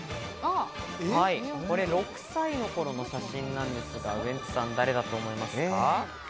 ６歳の頃の写真なんですが、ウエンツさん誰だと思いますか？